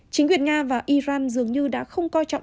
chính quyền nga và iran dường như đã không coi trọng